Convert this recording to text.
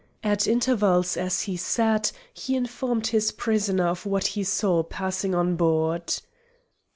At intervals as he sat he informed his prisoner of what he saw passing on board.